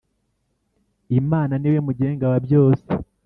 Imana niwe mugenga wabyose.